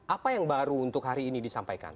apa yang baru untuk hari ini disampaikan